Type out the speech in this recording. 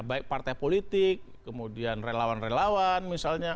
baik partai politik kemudian relawan relawan misalnya